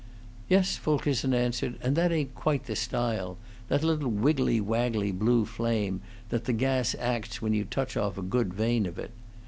"Yes," Fulkerson answered, "and that ain't quite the style that little wiggly waggly blue flame that the gas acts when you touch off a good vein of it.